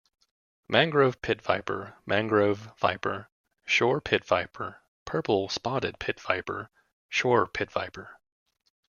Mangrove pit viper, mangrove viper, shore pit viper, purple-spotted pit viper, shore pitviper.